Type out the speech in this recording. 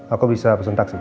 aku bisa pesen taksi